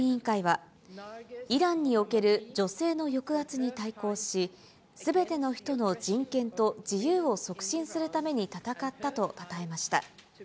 受賞理由についてノーベル委員会は、イランにおける女性の抑圧に対抗し、すべての人の人権と自由を促進するために闘ったとたたえました。